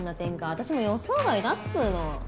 私も予想外だっつうの。